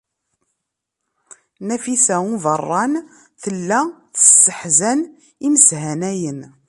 Nafisa n Ubeṛṛan tella tesseḥzan imeshanayen.